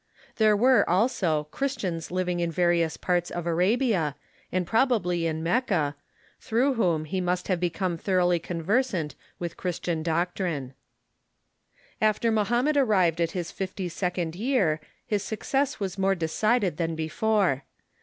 There were, also. Chris tians living in various parts of Arabia, and probably in Mecca, through whom he must have become thoroughly conversant with Cln istian doctrine. After Mohammed arrived at his fifty second year his suc cess was more decided than before.